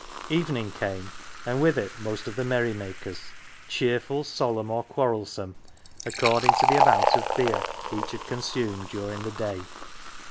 Evening came, and with it most of the merry makers, cheerful, solemn, or quarrelsome, according to the amount of beer each had consumed during the day.